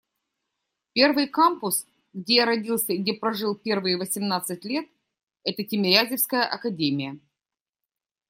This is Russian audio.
Первый кампус, где я родился и где прожил первые восемнадцать лет, — это Тимирязевская академия.